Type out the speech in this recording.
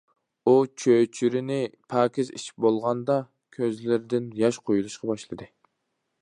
ئۇ چۆچۈرىنى پاكىز ئىچىپ بولغاندا كۆزلىرىدىن ياش قويۇلۇشقا باشلىدى.